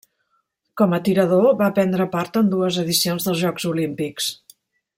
Com a tirador, va prendre part en dues edicions dels Jocs Olímpics.